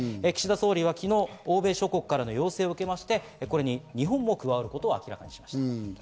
岸田総理は昨日、欧米諸国からの要請を受け、これに日本も加わることを明らかにしました。